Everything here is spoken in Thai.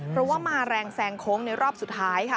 เพราะว่ามาแรงแซงโค้งในรอบสุดท้ายค่ะ